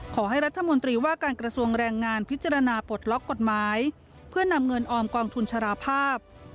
ขอให้รัฐมนตรีว่าการกระทรวงแรงงานพิจารณาปลดล็อกกฎหมายเพื่อนำเงินออมกองทุนชราภาพ